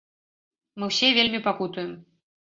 Мы ўсе вельмі пакутуем.